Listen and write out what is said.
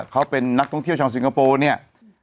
เขาเป็นนักท่องเที่ยวชาวสิงคโปร์เนี่ย